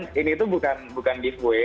dan ini tuh bukan giveaway